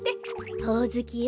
ほおずきよ。